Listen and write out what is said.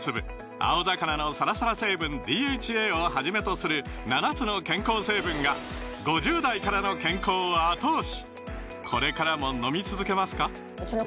青魚のサラサラ成分ＤＨＡをはじめとする７つの健康成分が５０代からの健康を後押し！